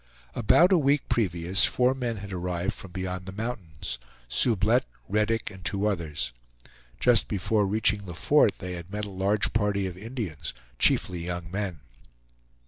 About a week previous four men had arrived from beyond the mountains; Sublette, Reddick, and two others. Just before reaching the Fort they had met a large party of Indians, chiefly young men.